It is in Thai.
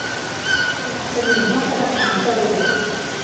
สนับสนุนมาตรฐานเปิด